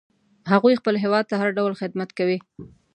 هغوی خپل هیواد ته هر ډول خدمت کوي